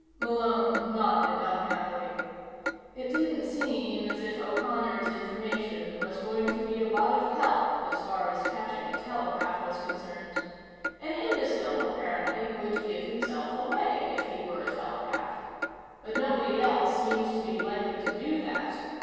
Malone nodded unhappily. It didn't seem as if O'Connor's information was going to be a lot of help as far as catching a telepath was concerned. An imbecile, apparently, would give himself away if he were a telepath. But nobody else seemed to be likely to do that.